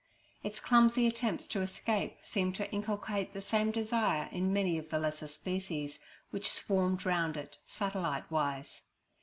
Its clumsy attempts to escape seemed to inculcate the same desire in many of the lesser species, which swarmed round it satellite wise.